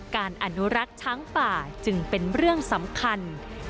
การอนุรักษ์ช้างป่าจึงเป็นเรื่องสำคัญ